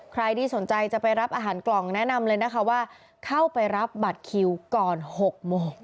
ใครที่สนใจจะไปรับอาหารกล่องแนะนำเลยนะคะว่าเข้าไปรับบัตรคิวก่อน๖โมง